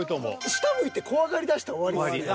下向いて怖がりだしたら終わりやもんな。